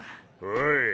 おい！